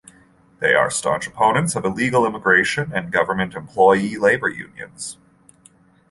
They are staunch opponents of illegal immigration and government employee labor unions.